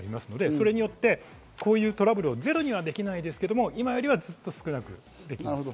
それによって、こういうトラブルをゼロにはできないですが、今よりずっと少なくできます。